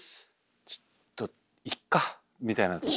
ちょっと「いっか」みたいなとき。